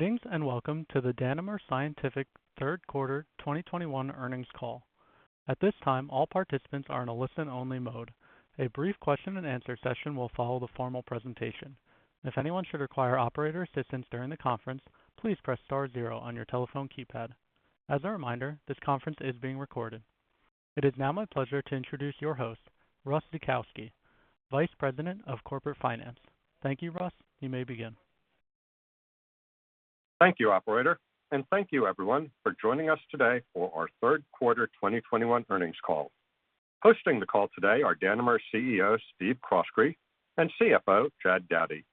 And welcome to the Danimer Scientific third quarter 2021 earnings call. At this time, all participants are in a listen-only mode. A brief question-and-answer session will follow the formal presentation. If anyone should require operator assistance during the conference, please press star zero on your telephone keypad. As a reminder, this conference is being recorded. It is now my pleasure to introduce your host, Russ Zukowski, Vice President of Corporate Finance. Thank you, Russ. You may begin. Thank you, operator, and thank you everyone for joining us today for our third quarter 2021 earnings call. Hosting the call today are Danimer CEO, Steve Croskrey, and CFO, Jad Dowdy.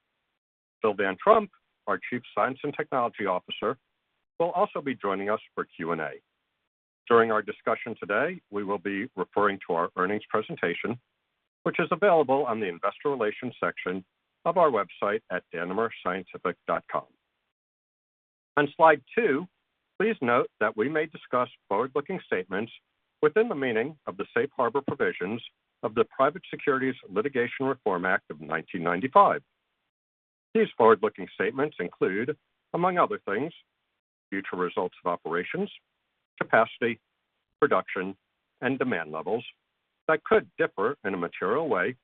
Phil Van Trump, our Chief Science and Technology Officer, will also be joining us for Q&A. During our discussion today, we will be referring to our earnings presentation, which is available on the investor relations section of our website at danimerscientific.com. On slide two, please note that we may discuss forward-looking statements within the meaning of the safe harbor provisions of the Private Securities Litigation Reform Act of 1995. These forward-looking statements include, among other things, future results of operations, capacity, production, and demand levels that could differ in a material way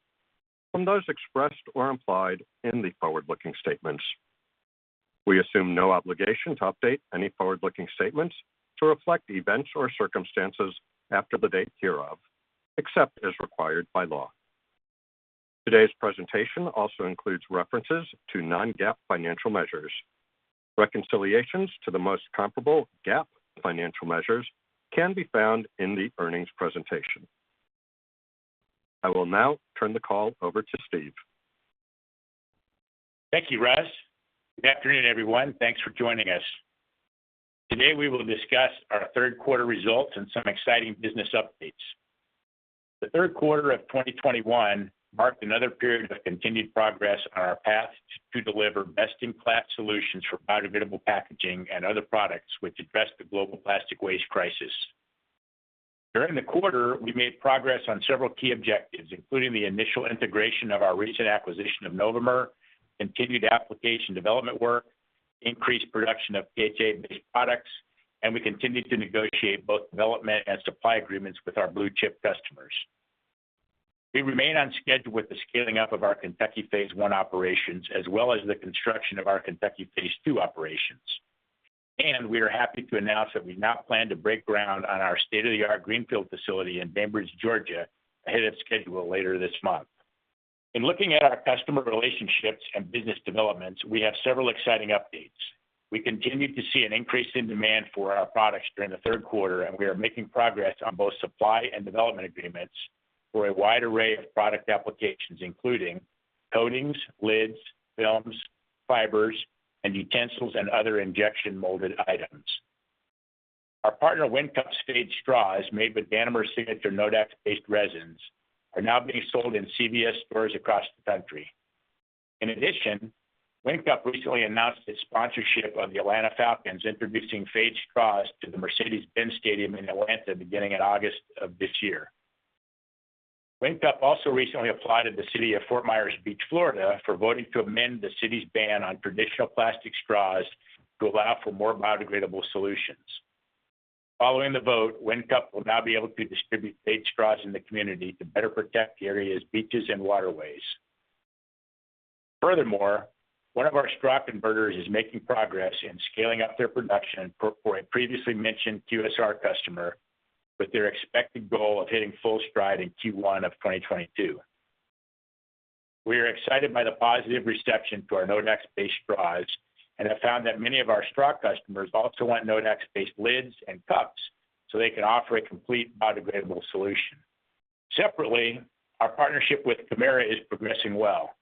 from those expressed or implied in the forward-looking statements. We assume no obligation to update any forward-looking statements to reflect events or circumstances after the date hereof, except as required by law. Today's presentation also includes references to non-GAAP financial measures. Reconciliations to the most comparable GAAP financial measures can be found in the earnings presentation. I will now turn the call over to Steve. Thank you, Russ. Good afternoon, everyone. Thanks for joining us. Today, we will discuss our third quarter results and some exciting business updates. The third quarter of 2021 marked another period of continued progress on our path to deliver best-in-class solutions for biodegradable packaging and other products which address the global plastic waste crisis. During the quarter, we made progress on several key objectives, including the initial integration of our recent acquisition of Novomer, continued application development work, increased production of PHA-based products, and we continued to negotiate both development and supply agreements with our blue-chip customers. We remain on schedule with the scaling up of our Kentucky phase I operations, as well as the construction of our Kentucky phase II operations. We are happy to announce that we now plan to break ground on our state-of-the-art greenfield facility in Bainbridge, Georgia, ahead of schedule later this month. In looking at our customer relationships and business developments, we have several exciting updates. We continued to see an increase in demand for our products during the third quarter, and we are making progress on both supply and development agreements for a wide array of product applications, including coatings, lids, films, fibers, and utensils, and other injection molded items. Our partner, WinCup's phade straws made with Danimer's signature Nodax-based resins are now being sold in CVS stores across the country. In addition, WinCup recently announced its sponsorship of the Atlanta Falcons, introducing phade straws to the Mercedes-Benz Stadium in Atlanta beginning in August of this year. WinCup also recently applauded the city of Fort Myers Beach, Florida, for voting to amend the city's ban on traditional plastic straws to allow for more biodegradable solutions. Following the vote, WinCup will now be able to distribute phade straws in the community to better protect the area's beaches and waterways. Furthermore, one of our straw converters is making progress in scaling up their production for a previously mentioned QSR customer with their expected goal of hitting full stride in Q1 of 2022. We are excited by the positive reception to our Nodax-based straws and have found that many of our straw customers also want Nodax-based lids and cups, so they can offer a complete biodegradable solution. Separately, our partnership with Kemira is progressing well.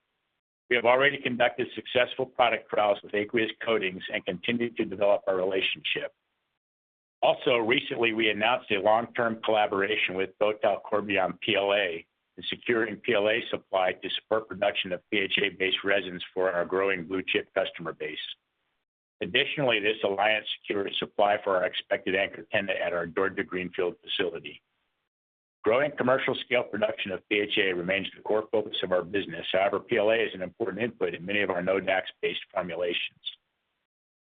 We have already conducted successful product trials with aqueous coatings and continued to develop our relationship. Also recently, we announced a long-term collaboration with Total Corbion PLA in securing PLA supply to support production of PHA-based resins for our growing blue-chip customer base. Additionally, this alliance secures supply for our expected anchor tenant at our Georgia greenfield facility. Growing commercial scale production of PHA remains the core focus of our business. However, PLA is an important input in many of our Nodax-based formulations.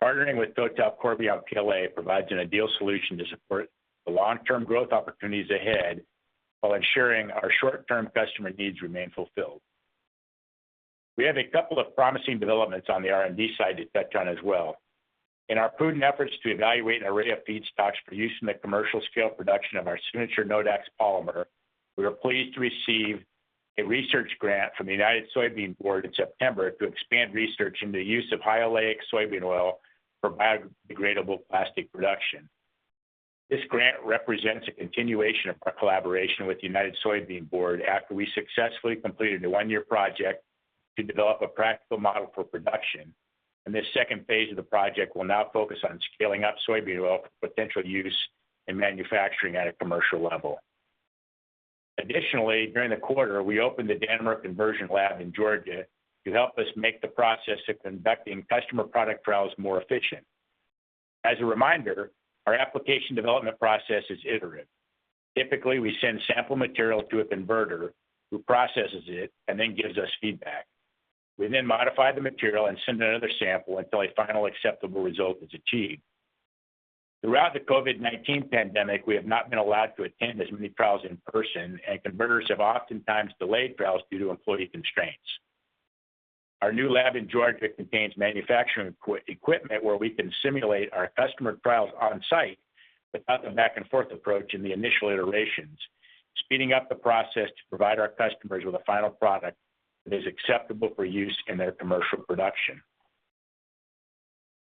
Partnering with Total Corbion PLA provides an ideal solution to support the long-term growth opportunities ahead while ensuring our short-term customer needs remain fulfilled. We have a couple of promising developments on the R&D side to touch on as well. In our prudent efforts to evaluate an array of feedstocks for use in the commercial scale production of our signature Nodax polymer, we are pleased to receive a research grant from the United Soybean Board in September to expand research into use of high oleic soybean oil for biodegradable plastic production. This grant represents a continuation of our collaboration with the United Soybean Board after we successfully completed a one-year project to develop a practical model for production, and this second phase of the project will now focus on scaling up soybean oil for potential use in manufacturing at a commercial level. Additionally, during the quarter, we opened the Danimer conversion lab in Georgia to help us make the process of conducting customer product trials more efficient. As a reminder, our application development process is iterative. Typically, we send sample material to a converter who processes it and then gives us feedback. We then modify the material and send another sample until a final acceptable result is achieved. Throughout the COVID-19 pandemic, we have not been allowed to attend as many trials in person, and converters have oftentimes delayed trials due to employee constraints. Our new lab in Georgia contains manufacturing equipment where we can simulate our customer trials on-site without the back-and-forth approach in the initial iterations, speeding up the process to provide our customers with a final product that is acceptable for use in their commercial production.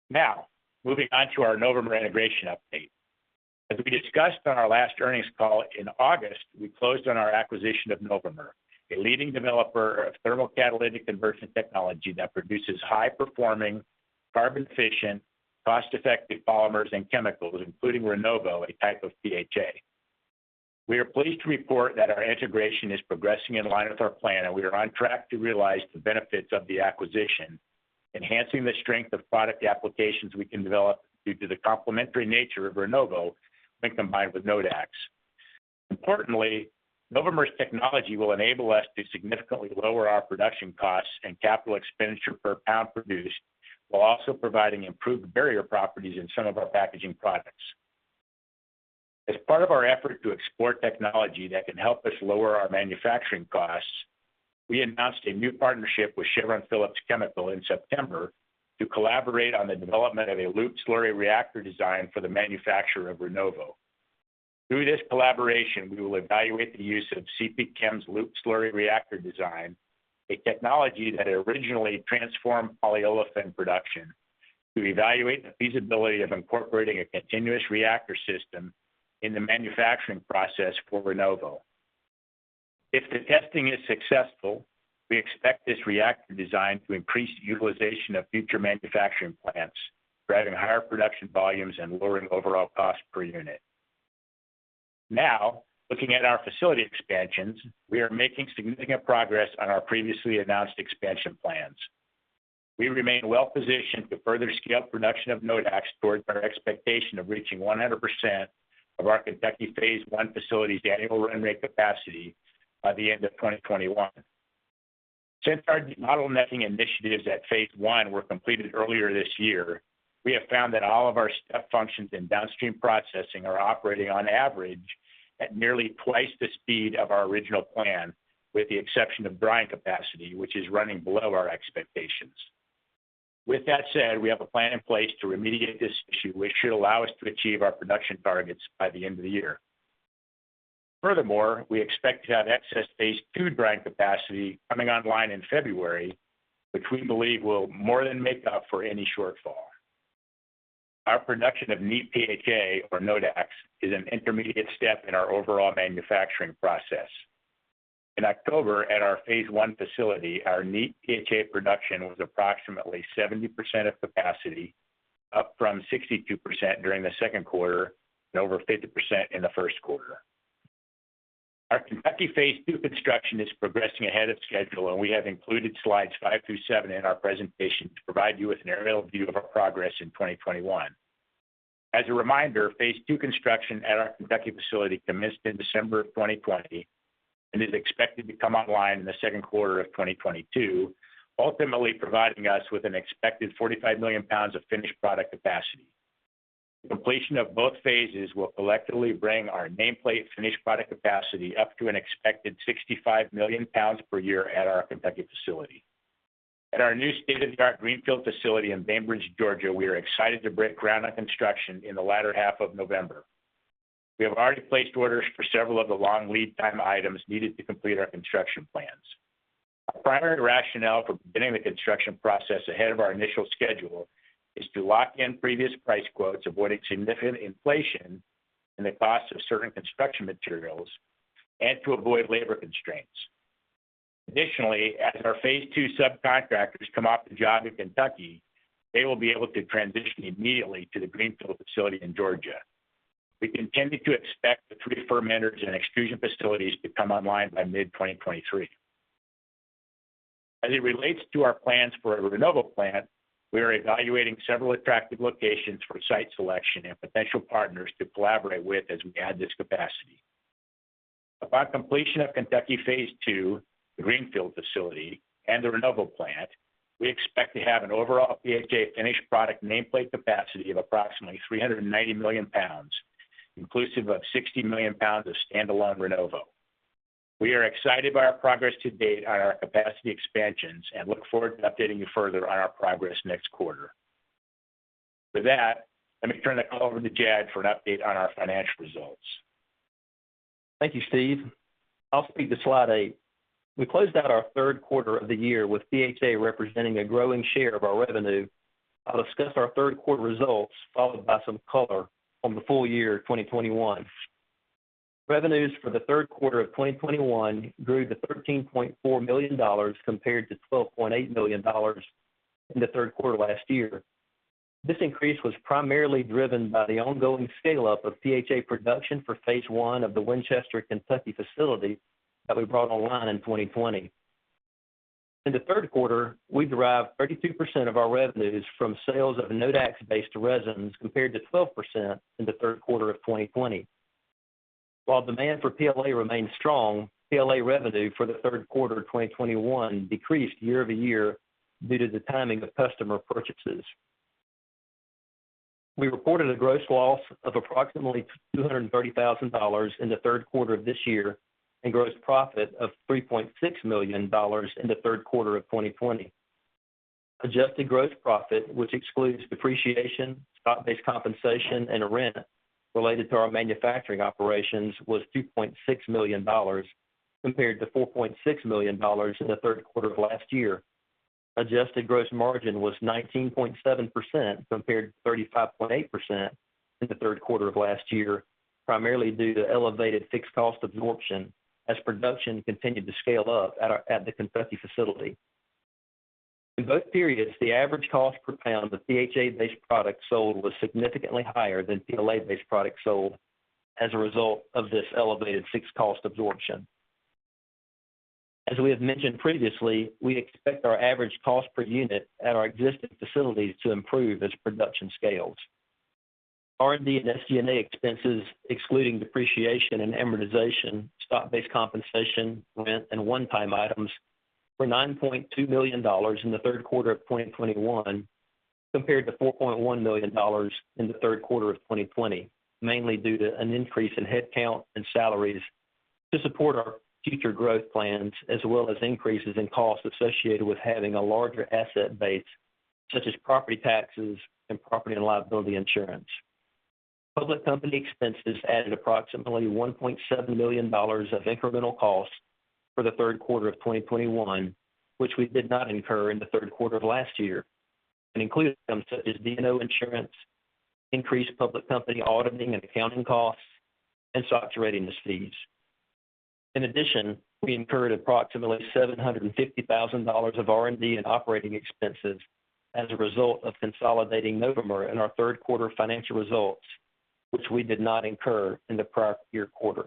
Now, moving on to our Novomer integration update. As we discussed on our last earnings call in August, we closed on our acquisition of Novomer, a leading developer of thermal catalytic conversion technology that produces high-performing, carbon-efficient, cost-effective polymers and chemicals, including Rinnovo, a type of PHA. We are pleased to report that our integration is progressing in line with our plan, and we are on track to realize the benefits of the acquisition, enhancing the strength of product applications we can develop due to the complementary nature of Rinnovo when combined with Nodax. Importantly, Novomer's technology will enable us to significantly lower our production costs and capital expenditure per pound produced while also providing improved barrier properties in some of our packaging products. As part of our effort to explore technology that can help us lower our manufacturing costs, we announced a new partnership with Chevron Phillips Chemical in September to collaborate on the development of a loop slurry reactor design for the manufacture of Rinnovo. Through this collaboration, we will evaluate the use of CPChem's loop slurry reactor design, a technology that originally transformed polyolefin production, to evaluate the feasibility of incorporating a continuous reactor system in the manufacturing process for Rinnovo. If the testing is successful, we expect this reactor design to increase the utilization of future manufacturing plants, driving higher production volumes and lowering overall cost per unit. Now, looking at our facility expansions, we are making significant progress on our previously announced expansion plans. We remain well-positioned to further scale production of Nodax towards our expectation of reaching 100% of our Kentucky phase I facility's annual run rate capacity by the end of 2021. Since our bottlenecking initiatives at phase I were completed earlier this year, we have found that all of our step functions in downstream processing are operating on average at nearly twice the speed of our original plan, with the exception of drying capacity, which is running below our expectations. With that said, we have a plan in place to remediate this issue, which should allow us to achieve our production targets by the end of the year. Furthermore, we expect to have excess phase II drying capacity coming online in February, which we believe will more than make up for any shortfall. Our production of neat PHA, or Nodax, is an intermediate step in our overall manufacturing process. In October, at our phase I facility, our neat PHA production was approximately 70% of capacity, up from 62% during the second quarter and over 50% in the first quarter. Our Kentucky phase II construction is progressing ahead of schedule, and we have included slides five through seven in our presentation to provide you with an aerial view of our progress in 2021. As a reminder, phase II construction at our Kentucky facility commenced in December of 2020 and is expected to come online in the second quarter of 2022, ultimately providing us with an expected 45 million pounds of finished product capacity. The completion of both phases will collectively bring our nameplate finished product capacity up to an expected 65 million pounds per year at our Kentucky facility. At our new state-of-the-art greenfield facility in Bainbridge, Georgia, we are excited to break ground on construction in the latter half of November. We have already placed orders for several of the long lead time items needed to complete our construction plans. Our primary rationale for beginning the construction process ahead of our initial schedule is to lock in previous price quotes, avoiding significant inflation in the cost of certain construction materials and to avoid labor constraints. Additionally, as our phase II subcontractors come off the job in Kentucky, they will be able to transition immediately to the greenfield facility in Georgia. We continue to expect the three fermenters and extrusion facilities to come online by mid-2023. As it relates to our plans for a Rinnovo plant, we are evaluating several attractive locations for site selection and potential partners to collaborate with as we add this capacity. Upon completion of Kentucky phase II, the greenfield facility, and the Rinnovo plant, we expect to have an overall PHA finished product nameplate capacity of approximately 390 million pounds, inclusive of 60 million pounds of standalone Rinnovo. We are excited by our progress to date on our capacity expansions and look forward to updating you further on our progress next quarter. With that, let me turn the call over to Jad for an update on our financial results. Thank you, Steve. I'll speak to slide eight. We closed out our third quarter of the year with PHA representing a growing share of our revenue. I'll discuss our third quarter results followed by some color on the full year 2021. Revenues for the third quarter of 2021 grew to $13.4 million compared to $12.8 million in the third quarter last year. This increase was primarily driven by the ongoing scale-up of PHA production for phase I of the Winchester, Kentucky facility that we brought online in 2020. In the third quarter, we derived 32% of our revenues from sales of Nodax-based resins compared to 12% in the third quarter of 2020. While demand for PLA remains strong, PLA revenue for the third quarter of 2021 decreased year-over-year due to the timing of customer purchases. We reported a gross loss of approximately $230,000 in the third quarter of this year, and gross profit of $3.6 million in the third quarter of 2020. Adjusted gross profit, which excludes depreciation, stock-based compensation, and rent related to our manufacturing operations, was $2.6 million compared to $4.6 million in the third quarter of last year. Adjusted gross margin was 19.7% compared to 35.8% in the third quarter of last year, primarily due to elevated fixed cost absorption as production continued to scale up at the Kentucky facility. In both periods, the average cost per pound of PHA-based products sold was significantly higher than PLA-based products sold as a result of this elevated fixed cost absorption. As we have mentioned previously, we expect our average cost per unit at our existing facilities to improve as production scales. R&D and SG&A expenses excluding depreciation and amortization, stock-based compensation, rent, and one-time items were $9.2 million in the third quarter of 2021 compared to $4.1 million in the third quarter of 2020, mainly due to an increase in headcount and salaries to support our future growth plans, as well as increases in costs associated with having a larger asset base, such as property taxes and property and liability insurance. Public company expenses added approximately $1.7 million of incremental costs for the third quarter of 2021, which we did not incur in the third quarter of last year, and include items such as D&O insurance, increased public company auditing and accounting costs, and SOX readiness fees. In addition, we incurred approximately $750,000 of R&D and operating expenses as a result of consolidating Novomer in our third quarter financial results, which we did not incur in the prior year quarter.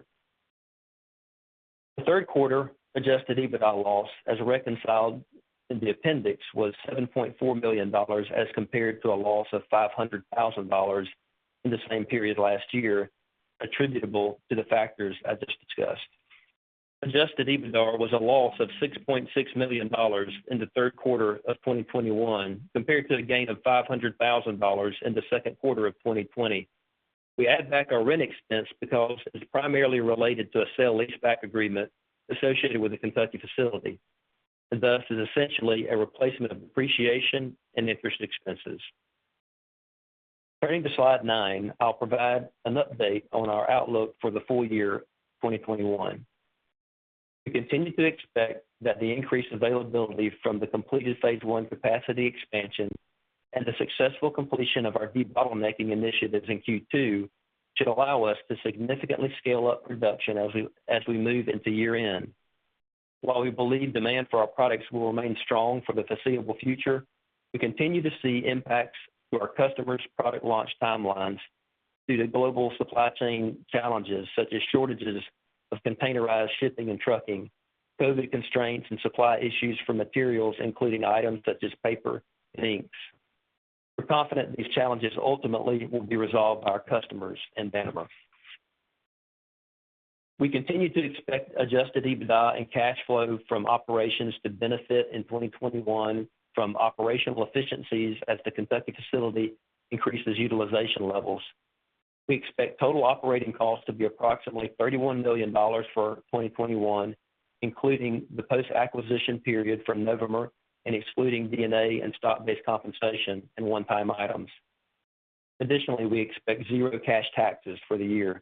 The third quarter adjusted EBITDA loss, as reconciled in the appendix, was $7.4 million as compared to a loss of $500,000 in the same period last year, attributable to the factors I just discussed. Adjusted EBITDA was a loss of $6.6 million in the third quarter of 2021 compared to a gain of $500,000 in the second quarter of 2020. We added back our rent expense because it's primarily related to a sale leaseback agreement associated with the Kentucky facility, and thus is essentially a replacement of depreciation and interest expenses. Turning to slide nine, I'll provide an update on our outlook for the full year 2021. We continue to expect that the increased availability from the completed phase I capacity expansion and the successful completion of our debottlenecking initiatives in Q2 should allow us to significantly scale up production as we move into year-end. While we believe demand for our products will remain strong for the foreseeable future, we continue to see impacts to our customers' product launch timelines due to global supply chain challenges such as shortages of containerized shipping and trucking, COVID constraints and supply issues for materials, including items such as paper and inks. We're confident these challenges ultimately will be resolved by our customers and Novomer. We continue to expect adjusted EBITDA and cash flow from operations to benefit in 2021 from operational efficiencies as the Kentucky facility increases utilization levels. We expect total operating costs to be approximately $31 million for 2021, including the post-acquisition period for Novomer and excluding D&A and stock-based compensation and one-time items. Additionally, we expect zero cash taxes for the year.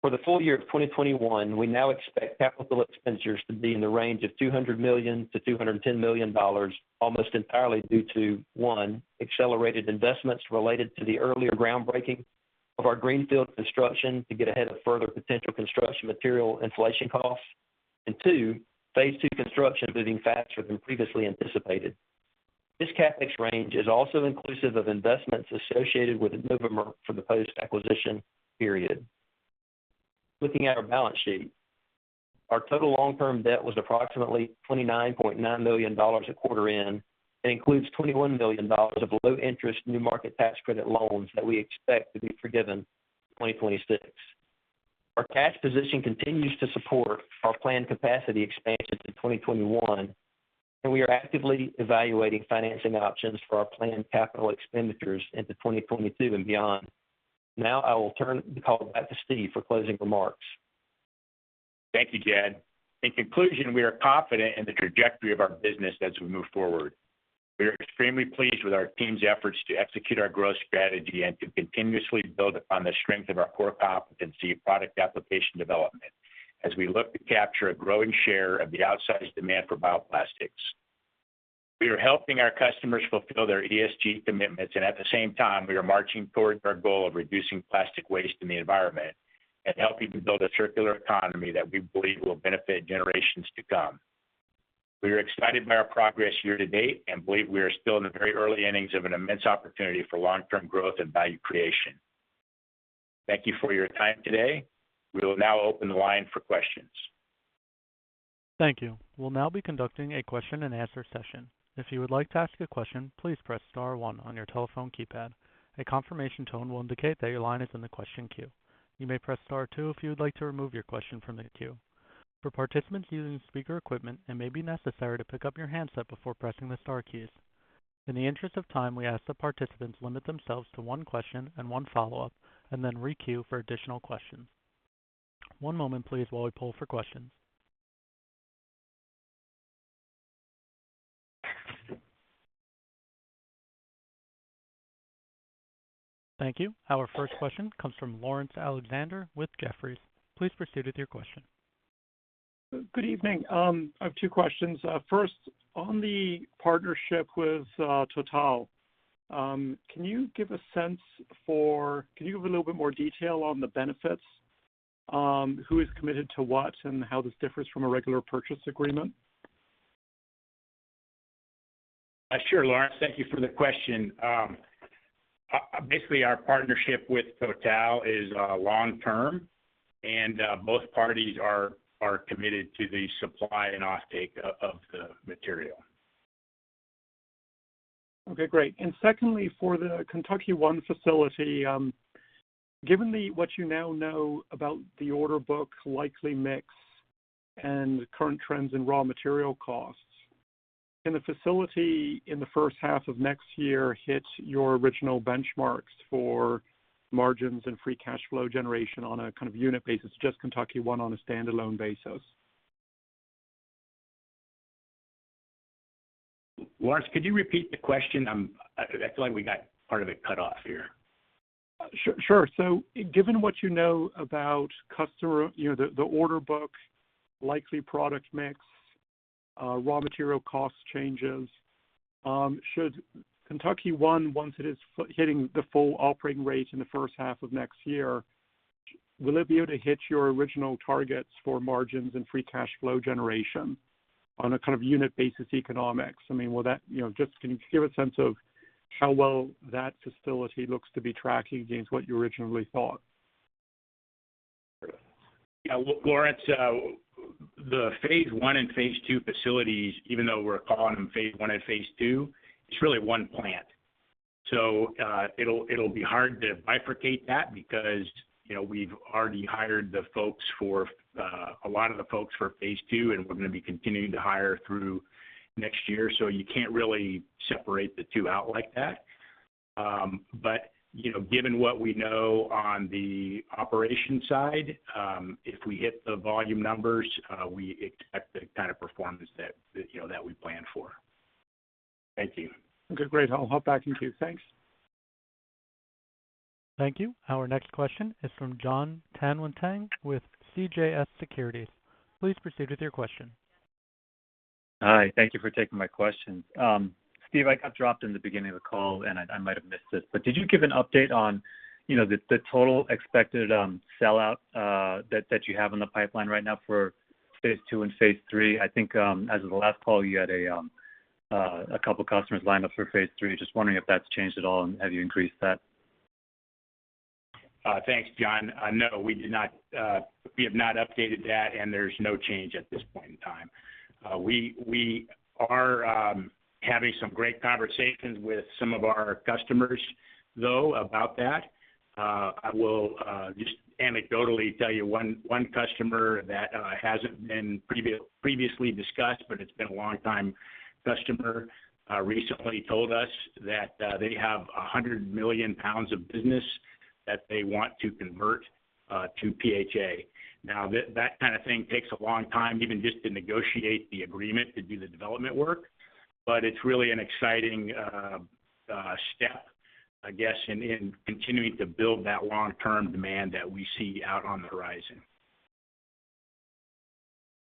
For the full year of 2021, we now expect capital expenditures to be in the range of $200 million-$210 million, almost entirely due to, one, accelerated investments related to the earlier groundbreaking of our greenfield construction to get ahead of further potential construction material inflation costs. Two, phase II construction moving faster than previously anticipated. This CapEx range is also inclusive of investments associated with Novomer for the post-acquisition period. Looking at our balance sheet, our total long-term debt was approximately $29.9 million at quarter end and includes $21 million of low interest New Markets Tax Credit loans that we expect to be forgiven in 2026. Our cash position continues to support our planned capacity expansions in 2021, and we are actively evaluating financing options for our planned capital expenditures into 2022 and beyond. Now I will turn the call back to Steve for closing remarks. Thank you, Jad. In conclusion, we are confident in the trajectory of our business as we move forward. We are extremely pleased with our team's efforts to execute our growth strategy and to continuously build upon the strength of our core competency, product application development, as we look to capture a growing share of the outsized demand for bioplastics. We are helping our customers fulfill their ESG commitments, and at the same time, we are marching towards our goal of reducing plastic waste in the environment and helping to build a circular economy that we believe will benefit generations to come. We are excited by our progress year to date, and believe we are still in the very early innings of an immense opportunity for long-term growth and value creation. Thank you for your time today. We will now open the line for questions. Thank you. We'll now be conducting a question and answer session. If you would like to ask a question, please press star one on your telephone keypad. A confirmation tone will indicate that your line is in the question queue. You may press star two if you would like to remove your question from the queue. For participants using speaker equipment, it may be necessary to pick up your handset before pressing the star keys. In the interest of time, we ask that participants limit themselves to one question and one follow-up and then re-queue for additional questions. One moment please while we poll for questions. Thank you. Our first question comes from Laurence Alexander with Jefferies. Please proceed with your question. Good evening. I have two questions. First, on the partnership with Total, can you give a little bit more detail on the benefits, who is committed to what and how this differs from a regular purchase agreement? Sure, Laurence, thank you for the question. Basically, our partnership with Total is long-term and both parties are committed to the supply and offtake of the material. Okay, great. Secondly, for the Kentucky One facility, given what you now know about the order book, likely mix, and current trends in raw material costs, can the facility in the first half of next year hit your original benchmarks for margins and free cash flow generation on a kind of unit basis, just Kentucky One on a standalone basis? Laurence, could you repeat the question? I feel like we got part of it cut off here. Sure. Given what you know about customer, you know, the order book, likely product mix, raw material cost changes, should Kentucky One, once it is fully hitting the full operating rate in the first half of next year, will it be able to hit your original targets for margins and free cash flow generation on a kind of unit basis economics? I mean, will that. You know, just can you give a sense of how well that facility looks to be tracking against what you originally thought? Yeah. Laurence, the phase I and phase II facilities, even though we're calling them phase I and phase II, it's really one plant. It'll be hard to bifurcate that because, you know, we've already hired a lot of the folks for phase II, and we're gonna be continuing to hire through next year. You can't really separate the two out like that. You know, given what we know on the operation side, if we hit the volume numbers, we expect the kind of performance that, you know, that we planned for. Thank you. Okay, great. I'll hop back in queue. Thanks. Thank you. Our next question is from Jon Tanwanteng with CJS Securities. Please proceed with your question. Hi. Thank you for taking my question. Steve, I got dropped in the beginning of the call, and I might have missed this, but did you give an update on you know the total expected sellout that you have in the pipeline right now for phase II and phase III? I think as of the last call you had a couple customers lined up for phase III. Just wondering if that's changed at all and have you increased that? Thanks, Jon. No, we did not. We have not updated that, and there's no change at this point in time. We are having some great conversations with some of our customers, though, about that. I will just anecdotally tell you one customer that hasn't been previously discussed, but it's been a long time customer, recently told us that they have 100 million pounds of business that they want to convert to PHA. Now, that kinda thing takes a long time even just to negotiate the agreement to do the development work. It's really an exciting step, I guess, in continuing to build that long-term demand that we see out on the horizon.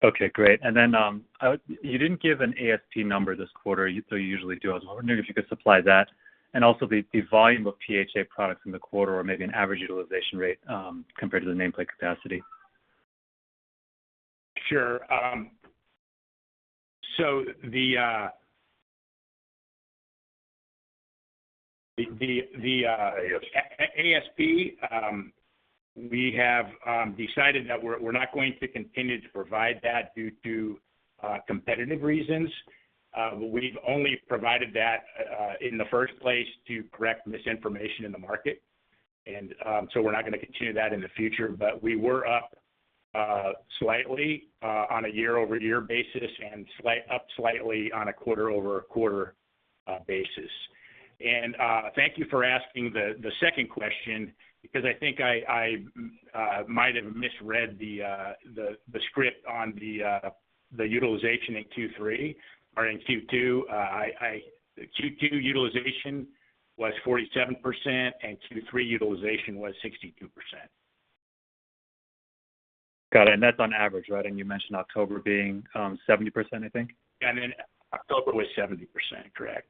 Okay, great. You didn't give an ASP number this quarter. Though you usually do as well. I'm wondering if you could supply that and also the volume of PHA products in the quarter or maybe an average utilization rate, compared to the nameplate capacity. Sure. The ASP we have decided that we're not going to continue to provide that due to competitive reasons. We've only provided that in the first place to correct misinformation in the market. We're not gonna continue that in the future. We were up slightly on a year-over-year basis and up slightly on a quarter-over-quarter basis. Thank you for asking the second question because I think I might have misread the script on the utilization in Q3 or in Q2. Q2 utilization was 47%, and Q3 utilization was 62%. Got it. That's on average, right? You mentioned October being 70%, I think. Yeah. I mean, October was 70%, correct?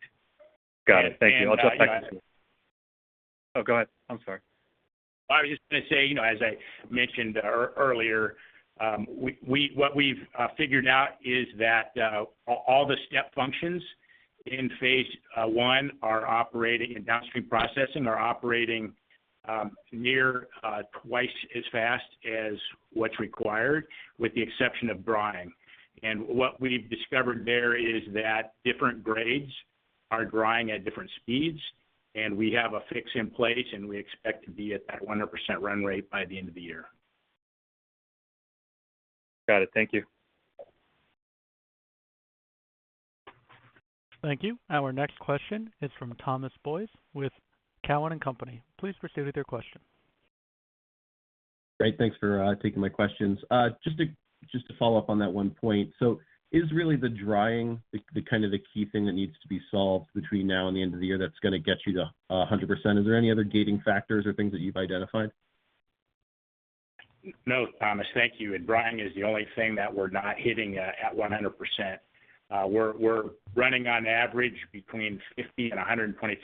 Got it. Thank you. I'll jump back in queue. And, uh, I. Oh, go ahead. I'm sorry. I was just gonna say, you know, as I mentioned earlier, what we've figured out is that all the step functions in phase I are operating in downstream processing near twice as fast as what's required with the exception of drying. What we've discovered there is that different grades are drying at different speeds, and we have a fix in place, and we expect to be at that 100% run rate by the end of the year. Got it. Thank you. Thank you. Our next question is from Thomas Boyes with Cowen and Company. Please proceed with your question. Great. Thanks for taking my questions. Just to follow up on that one point. Is really the drying the kind of the key thing that needs to be solved between now and the end of the year that's gonna get you to 100%? Is there any other gating factors or things that you've identified? No, Thomas. Thank you. Drying is the only thing that we're not hitting at 100%. We're running on average between 50% and 125%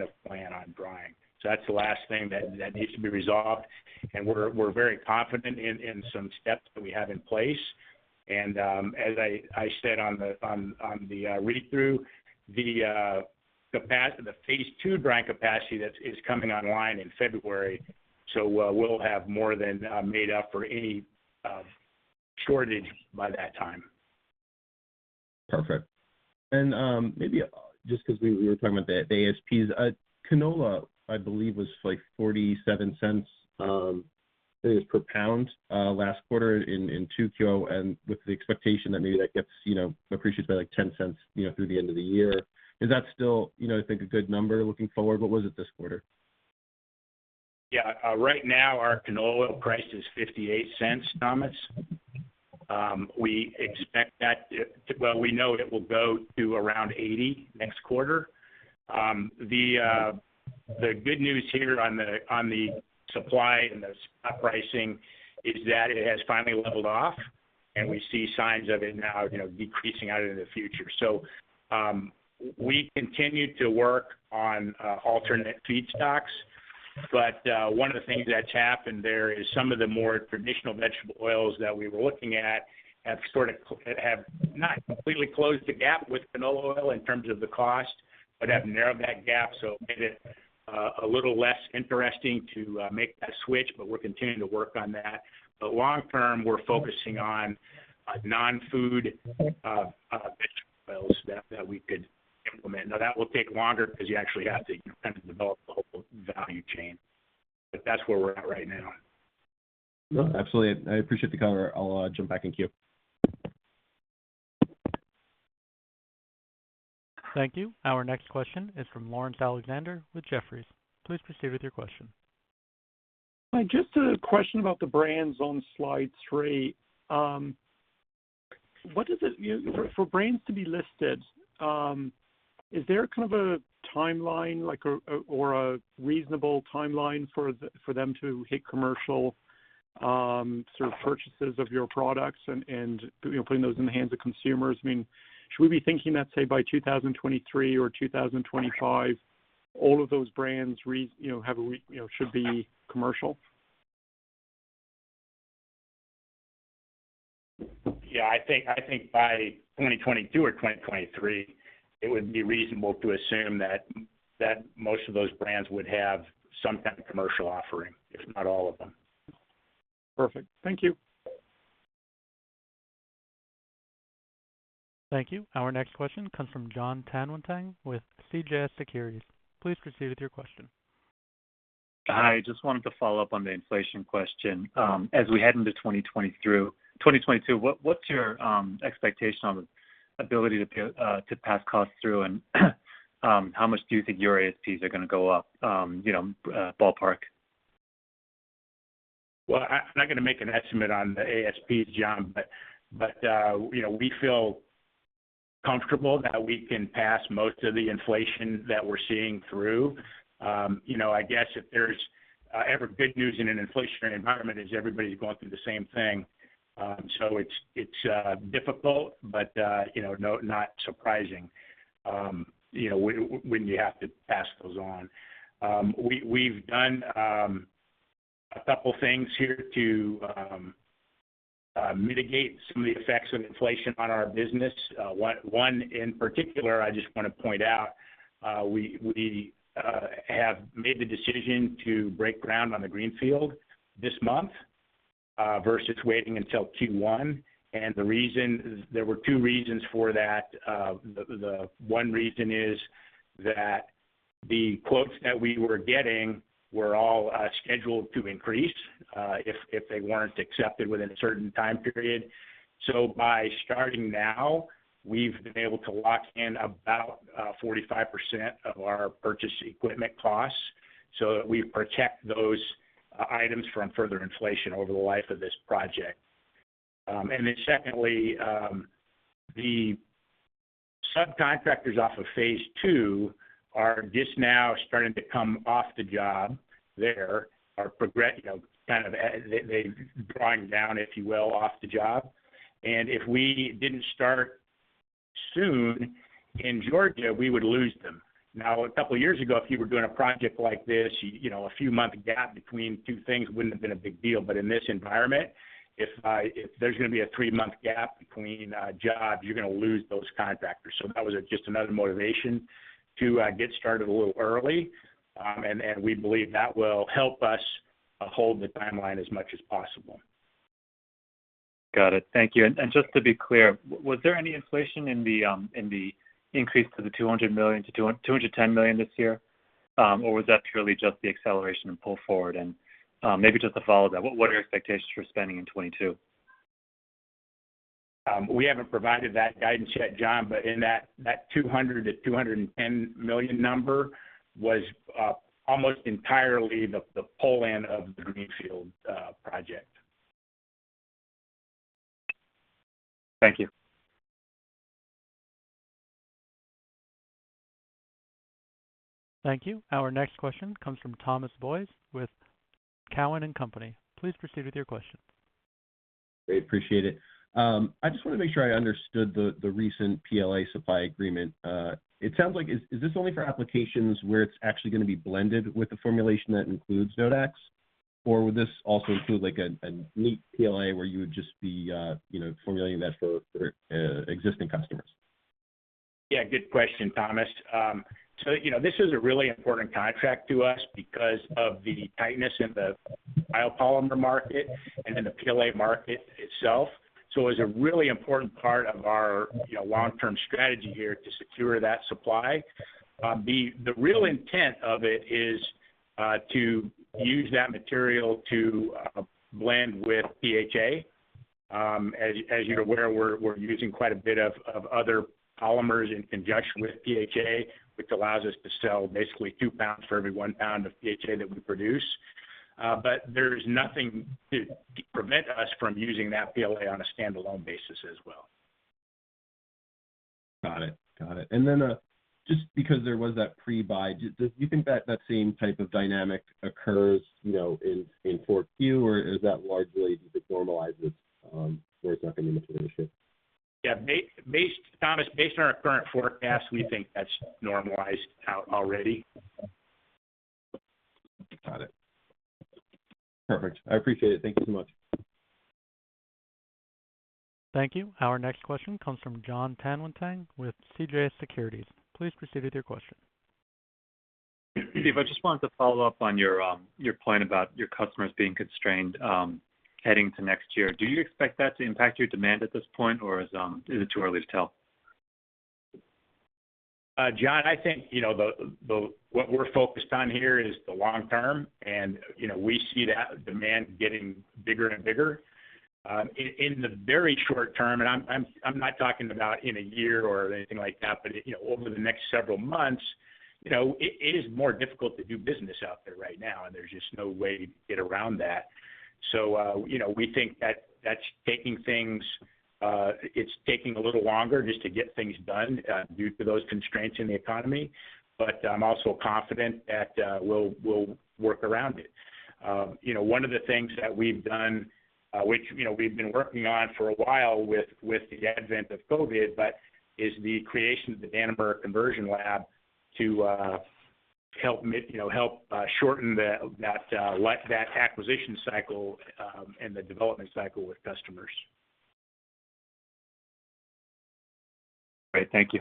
of plan on drying. That's the last thing that needs to be resolved. We're very confident in some steps that we have in place. As I said on the read-through, the phase II drying capacity that is coming online in February, we'll have more than made up for any shortage by that time. Perfect. Maybe just 'cause we were talking about the ASPs. Canola, I believe, was like $0.47, I think it was per pound, last quarter in Q2 and with the expectation that maybe that gets, you know, appreciated by like $0.10, you know, through the end of the year. Is that still, you know, I think, a good number looking forward? What was it this quarter? Yeah. Right now our canola oil price is $0.58, Thomas. We know it will go to around $0.80 next quarter. The good news here on the supply and the pricing is that it has finally leveled off, and we see signs of it now, you know, decreasing out into the future. We continue to work on alternate feedstocks. One of the things that's happened there is some of the more traditional vegetable oils that we were looking at have sort of have not completely closed the gap with canola oil in terms of the cost, but have narrowed that gap, so made it a little less interesting to make that switch, but we're continuing to work on that. Long term, we're focusing on non-food vegetable oils that we could implement. Now, that will take longer because you actually have to kind of develop the whole value chain. That's where we're at right now. No, absolutely. I appreciate the color. I'll jump back in queue. Thank you. Our next question is from Laurence Alexander with Jefferies. Please proceed with your question. Just a question about the brands on slide three. You know, for brands to be listed, is there kind of a timeline like or a reasonable timeline for them to hit commercial sort of purchases of your products and you know, putting those in the hands of consumers? I mean, should we be thinking that say by 2023 or 2025, all of those brands you know should be commercial? Yeah. I think by 2022 or 2023, it would be reasonable to assume that most of those brands would have some kind of commercial offering, if not all of them. Perfect. Thank you. Thank you. Our next question comes from Jon Tanwanteng with CJS Securities. Please proceed with your question. Hi. Just wanted to follow up on the inflation question. As we head into 2022, what's your expectation on the ability to pass costs through and how much do you think your ASPs are gonna go up, you know, ballpark? Well, I'm not gonna make an estimate on the ASP, Jon, but you know, we feel comfortable that we can pass most of the inflation that we're seeing through. You know, I guess if there's ever good news in an inflationary environment is everybody's going through the same thing. It's difficult, but you know, no, not surprising, you know, when you have to pass those on. We've done a couple things here to mitigate some of the effects of inflation on our business. One in particular I just wanna point out, we have made the decision to break ground on the greenfield this month versus waiting until Q1. The reason is there were two reasons for that. The one reason is that the quotes that we were getting were all scheduled to increase if they weren't accepted within a certain time period. By starting now, we've been able to lock in about 45% of our purchase equipment costs so that we protect those items from further inflation over the life of this project. Then, secondly, the subcontractors off of phase II are just now starting to come off the job there. Their progress, you know, kind of they are drawing down, if you will, off the job. If we didn't start soon in Georgia, we would lose them. Now, a couple of years ago, if you were doing a project like this, you know, a few months gap between two things wouldn't have been a big deal. In this environment, if there's gonna be a three-month gap between jobs, you're gonna lose those contractors. That was just another motivation to get started a little early. We believe that will help us hold the timeline as much as possible. Got it. Thank you. Just to be clear, was there any inflation in the increase to the $200 million-$210 million this year? Or was that purely just the acceleration and pull forward? Maybe just to follow that, what are your expectations for spending in 2022? We haven't provided that guidance yet, Jon, but in that $200 million-$210 million number was almost entirely the pull-in of the Greenfield project. Thank you. Thank you. Our next question comes from Thomas Boyes with Cowen and Company. Please proceed with your question. Great. Appreciate it. I just wanna make sure I understood the recent PLA supply agreement. It sounds like this only for applications where it's actually gonna be blended with the formulation that includes Nodax? Or would this also include, like a neat PLA where you would just be, you know, formulating that for existing customers? Yeah, good question, Thomas. You know, this is a really important contract to us because of the tightness in the biopolymer market and in the PLA market itself. It's a really important part of our, you know, long-term strategy here to secure that supply. The real intent of it is to use that material to blend with PHA. As you're aware, we're using quite a bit of other polymers in conjunction with PHA, which allows us to sell basically 2 pounds for every 1 pound of PHA that we produce. There's nothing to prevent us from using that PLA on a standalone basis as well. Got it. Just because there was that pre-buy, do you think that same type of dynamic occurs, you know, in 4Q, or is that largely just it normalizes, where it's not going to make a difference here? Yeah. Thomas, based on our current forecast, we think that's normalized out already. Got it. Perfect. I appreciate it. Thank you so much. Thank you. Our next question comes from Jon Tanwanteng with CJS Securities. Please proceed with your question. Steve, I just wanted to follow up on your point about your customers being constrained, heading to next year. Do you expect that to impact your demand at this point, or is it too early to tell? Jon, I think, you know, what we're focused on here is the long term. You know, we see the demand getting bigger and bigger. In the very short term, and I'm not talking about in a year or anything like that, but you know, over the next several months, you know, it is more difficult to do business out there right now, and there's just no way to get around that. You know, we think that that's taking a little longer just to get things done due to those constraints in the economy. I'm also confident that we'll work around it. You know, one of the things that we've done, which, you know, we've been working on for a while with the advent of COVID, but is the creation of the Danimer conversion lab to help, you know, shorten the acquisition cycle and the development cycle with customers. Great. Thank you.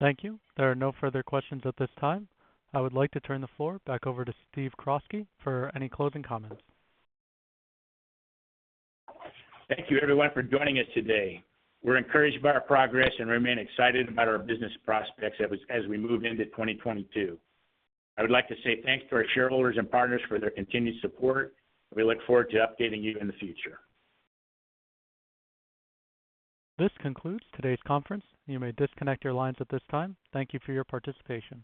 Thank you. There are no further questions at this time. I would like to turn the floor back over to Steve Croskrey for any closing comments. Thank you everyone for joining us today. We're encouraged by our progress and remain excited about our business prospects as we move into 2022. I would like to say thanks to our shareholders and partners for their continued support. We look forward to updating you in the future. This concludes today's conference. You may disconnect your lines at this time. Thank you for your participation.